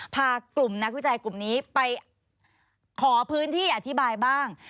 พากลุ่มนักวิจัยกลุ่มนี้ไปขอพื้นที่อธิบายบ้าง